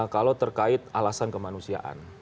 kalau terkait alasan kemanusiaan